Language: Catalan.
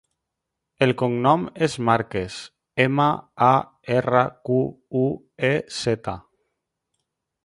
El cognom és Marquez: ema, a, erra, cu, u, e, zeta.